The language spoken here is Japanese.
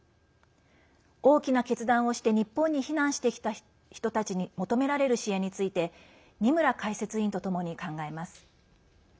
大きな決断をして日本に避難してきた人たちに求められる支援について二村解説委員とともに考えます。